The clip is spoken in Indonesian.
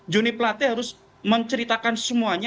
joni plate harus menceritakan semuanya